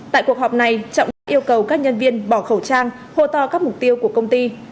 tại cuộc họp này trọng đã yêu cầu các nhân viên bỏ khẩu trang hồ to các mục tiêu của công ty